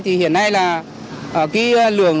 thì hiện nay là cái lượng